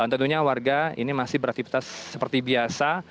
tentunya warga ini masih beraktivitas seperti biasa